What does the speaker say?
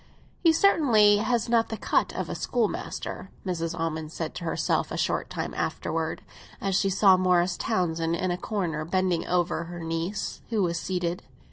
"He certainly has not the cut of a schoolmaster!" Mrs. Almond said to herself a short time afterwards, as she saw Morris Townsend in a corner bending over her niece, who was seated.